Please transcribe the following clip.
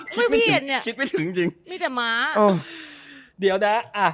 ไม่มีอันเนี้ยคิดไม่ถึงจริงจริงมีแต่ม้าอ้อเดี๋ยวนะอ่า